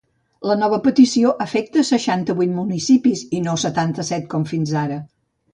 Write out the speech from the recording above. La nova petició afecta seixanta-vuit municipis i no setanta-set com fins ara.